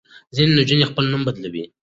ځینې نجونې خپل نوم بدلوي.